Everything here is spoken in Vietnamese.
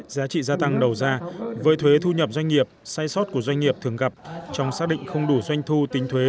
giá trị gia tăng đầu ra với thuế thu nhập doanh nghiệp sai sót của doanh nghiệp thường gặp trong xác định không đủ doanh thu tính thuế